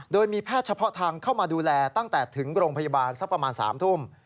โดยมีแพทย์เฉพาะทางเข้ามาดูแลตั้งแต่ถึงโรงพยาบาลสักประมาณ๓ทุ่ม